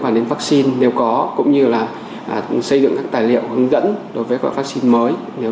quan đến vắc xin nếu có cũng như là xây dựng các tài liệu hướng dẫn đối với các vắc xin mới nếu